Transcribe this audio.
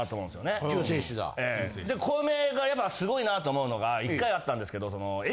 でコウメがやっぱ凄いなと思うのが１回あったんですけどその。